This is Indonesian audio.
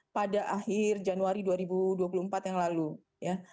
pada akhir januari dua ribu dua puluh empat yang lalu ya